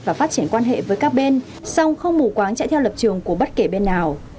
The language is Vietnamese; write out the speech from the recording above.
và phát triển quan hệ với các bên song không mù quáng chạy theo lập trường của bất kể bên nào